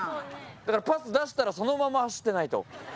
だから、パス出したらそのまま走ってないと。